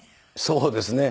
そうですね。